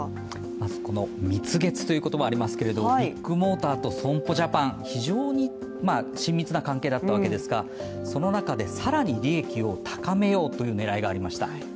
まずこの蜜月という言葉がありますけどビッグモーターと損保ジャパン非常に親密な関係だったわけですがその中で更に利益を高めようという狙いがありました。